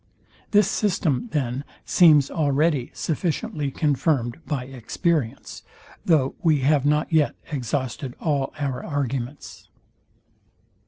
This system, then, seems already sufficiently confirmed by experience; that we have not yet exhausted all our arguments.